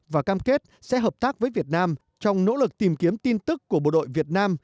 và cam kết sẽ hợp tác với việt nam trong nỗ lực tìm kiếm tin tức của bộ đội việt nam